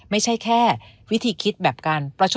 ไม่ใช่แค่วิธีคิดแบบกัน